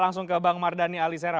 langsung ke bang mardhani alisera